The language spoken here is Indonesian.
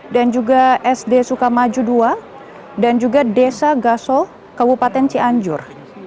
dan juga sd sukamaju dua dan juga desa gasol kabupaten cianjur